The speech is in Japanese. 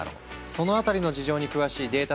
その辺りの事情に詳しいデータ